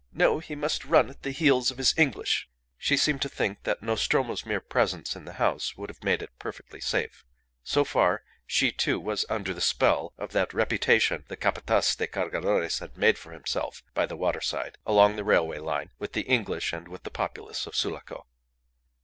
No! he must run at the heels of his English." She seemed to think that Nostromo's mere presence in the house would have made it perfectly safe. So far, she, too, was under the spell of that reputation the Capataz de Cargadores had made for himself by the waterside, along the railway line, with the English and with the populace of Sulaco.